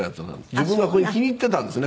自分がこれ気に入ってたんですね